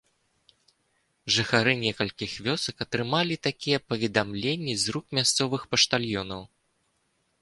Жыхары некалькіх вёсак атрымалі такія паведамленні з рук мясцовых паштальёнаў.